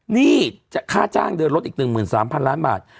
หนี้ค่าจ้างเดินรถอีก๑๓๐๐ล้านบาท